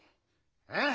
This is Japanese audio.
えっ？